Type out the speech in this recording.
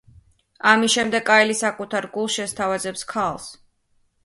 ამის შემდეგ კაილი საკუთარ გულს შესთავაზებს ქალს.